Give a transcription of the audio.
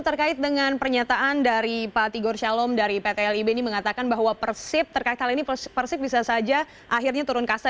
terkait dengan pernyataan dari pak tigor shalom dari pt lib ini mengatakan bahwa persib terkait hal ini persib bisa saja akhirnya turun kasa